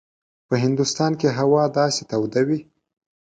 په هندوستان کې هوا داسې توده وي.